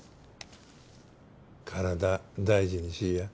体大事にしいや。